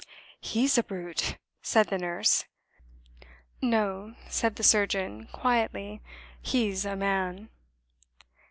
"He's a brute!" said the nurse. "No," said the surgeon, quietly. "He's a man."